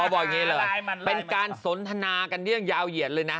เป็นการสนทนากันเรื่องยาวเหยียดเลยนะ